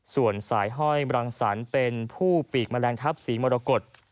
ส่วนสายห้อยมรังสรรค์เป็นผู้ปีกแมลงทัพสีมรกฏ